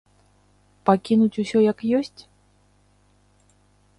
Пакінуць усё як ёсць?